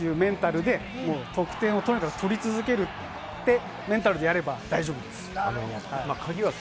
あとは、入れられても入れ返すというメンタルで得点をとにかく取り続けて、メンタルでやれば大丈夫です。